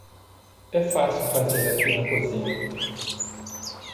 É fácil fazer aqui na cozinha.